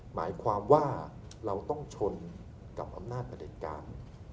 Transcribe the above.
หมายความว่าเราต้องชนกับอำนาจประเด็จการ